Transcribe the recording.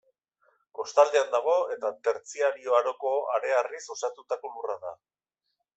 Kostaldean dago eta Tertziario aroko hareharriz osatutako lurra da.